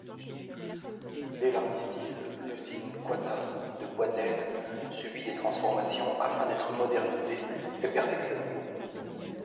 Dès l’armistice, L’usine Kwatta de Bois-d’Haine subit des transformations afin d’être modernisée et perfectionnée.